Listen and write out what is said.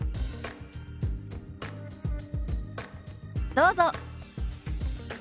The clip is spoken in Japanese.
どうぞ。